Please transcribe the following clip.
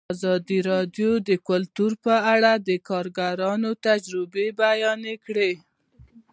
ازادي راډیو د کلتور په اړه د کارګرانو تجربې بیان کړي.